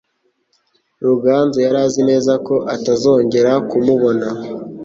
Ruganzu yari azi neza ko atazongera kumubona.